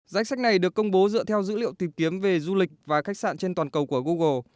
danh sách này được công bố dựa theo dữ liệu tìm kiếm về du lịch và khách sạn trên toàn cầu của google